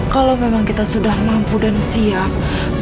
kalau memang kita sudah mampu dan siap